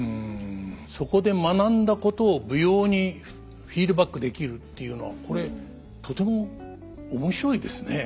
そこで学んだことを舞踊にフィードバックできるっていうのはこれとても面白いですね。